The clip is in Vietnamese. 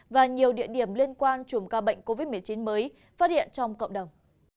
và nhiều địa điểm liên quan chùm ca bệnh covid một mươi chín mới phát hiện trong cộng đồng